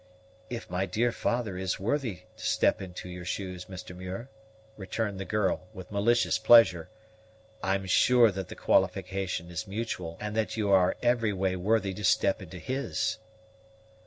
"If my dear father is worthy to step into your shoes, Mr. Muir," returned the girl, with malicious pleasure, "I'm sure that the qualification is mutual, and that you are every way worthy to step into his."